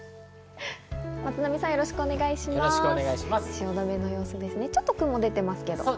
汐留の様子、ちょっと雲でていますけど。